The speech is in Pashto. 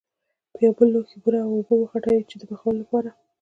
په یو بل لوښي کې بوره او اوبه وخوټوئ د پخولو لپاره.